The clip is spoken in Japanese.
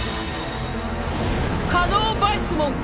カノーヴァイスモン